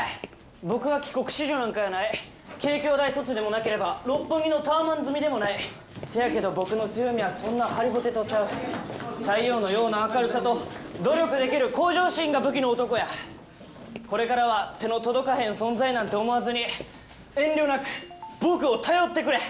僕は帰国子女なんかやないケイキョウ大卒でもなければ六本木のタワマン住みでもないせやけど僕の強みはそんな張りぼてとちゃう太陽のような明るさと努力できる向上心が武器の男やこれからは手の届かへん存在なんて思わずに遠慮なく僕を頼ってくれ！